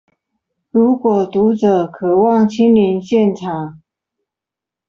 如果讀者渴望親臨現場